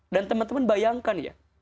dan teman teman bayangkan ya